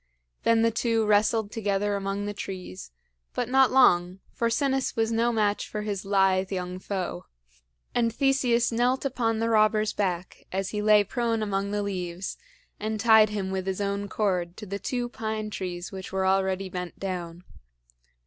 Then the two wrestled together among the trees, but not long, for Sinis was no match for his lithe young foe; and Theseus knelt upon the robber's back as he lay prone among the leaves, and tied him with his own cord to the two pine trees which were already bent down.